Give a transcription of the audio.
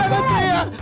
eh jangan berteriak